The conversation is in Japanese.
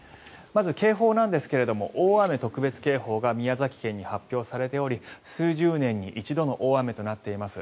まず警報なんですが大雨特別警報が宮崎県に発表されており数十年に一度の大雨になっています。